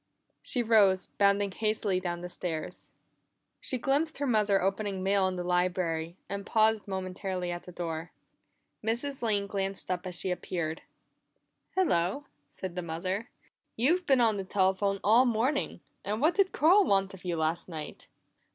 She rose, bounding hastily down the stairs. She glimpsed her mother opening mail in the library, and paused momentarily at the door. Mrs. Lane glanced up as she appeared. "Hello," said the mother. "You've been on the telephone all morning, and what did Carl want of you last night?"